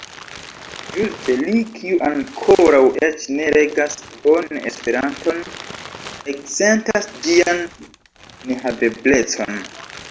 Ĝuste li, kiu ankoraŭ eĉ ne regas bone Esperanton, eksentas ĝian nehaveblecon.